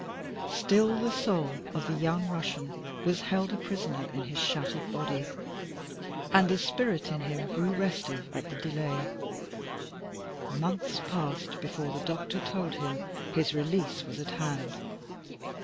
Still the soul of the young Russian was held a prisoner in his shattered body, and the spirit in him grew restive at the delay. Months passed before the doctor told him his release was at hand.